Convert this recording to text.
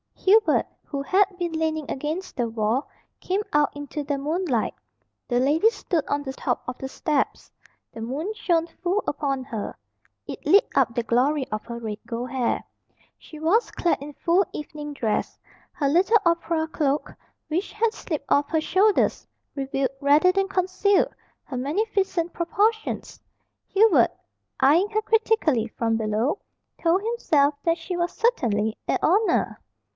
Hubert, who had been leaning against the wall, came out into the moonlight. The lady stood on the top of the steps. The moon shone full upon her. It lit up the glory of her red gold hair. She was clad in full evening dress. Her little opera cloak, which had slipped off her shoulders, revealed, rather than concealed, her magnificent proportions. Hubert, eying her critically from below, told himself that she was certainly a "oner!"